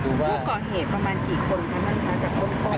ดูก่อเหตุประมาณกี่คนครับนั่นค่ะจากกล้องกล้อง